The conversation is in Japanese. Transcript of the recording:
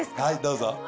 はいどうぞ。